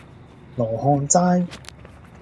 羅漢齋